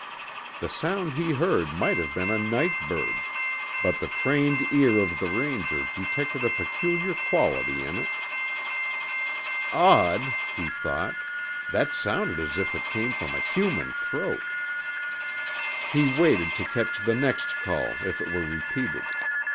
The sound he heard might have been a night bird, but the trained ear of the Ranger detected a peculiar quality in it. "Odd," he thought. "That sounded as if it came from a human throat." He waited to catch the next call if it were repeated.